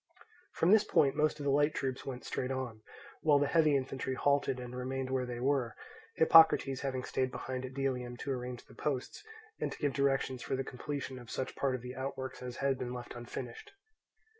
From this point most of the light troops went straight on, while the heavy infantry halted and remained where they were; Hippocrates having stayed behind at Delium to arrange the posts, and to give directions for the completion of such part of the outworks as had been left unfinished.